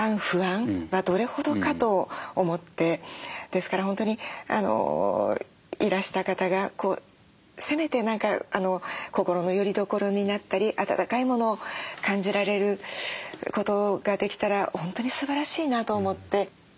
ですから本当にいらした方がせめて何か心のよりどころになったり温かいものを感じられることができたら本当にすばらしいなと思って。